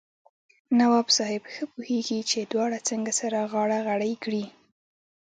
نواب صاحب ښه پوهېږي چې دواړه څنګه سره غاړه غړۍ کړي.